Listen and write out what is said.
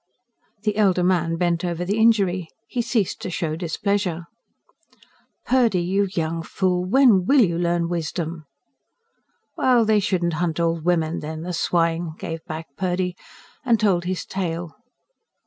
The elder man bent over the injury. He ceased to show displeasure. "Purdy, you young fool, when will you learn wisdom?" "Well, they shouldn't hunt old women, then the swine!" gave back Purdy; and told his tale.